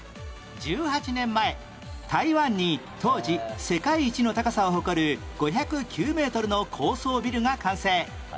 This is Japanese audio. １８年前台湾に当時世界一の高さを誇る５０９メートルの高層ビルが完成